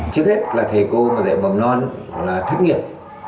trước hết là thầy cô dạy mầm non là thất nghiệp